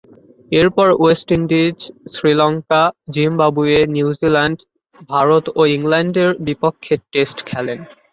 এরপর West Indies, Sri Lanka, Zimbabwe, New Zealand, Bharat ও ইংল্যান্ডের বিপক্ষে টেস্ট খেলেন।